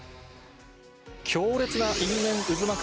強烈な因縁渦巻く